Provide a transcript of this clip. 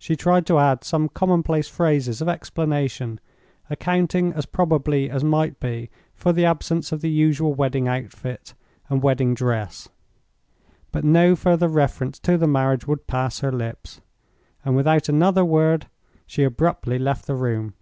She tried to add some commonplace phrases of explanation, accounting as probably as might be for the absence of the usual wedding outfit and wedding dress. But no further reference to the marriage would pass her lips, and without another word she abruptly left the room.